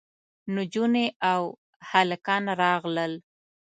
نجونې او هلکان راغلل.